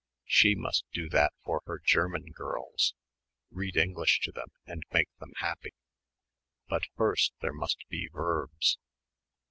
She must do that for her German girls. Read English to them and make them happy.... But first there must be verbs